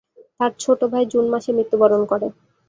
তার ছোট ভাই জুন মাসে মৃত্যুবরণ করে।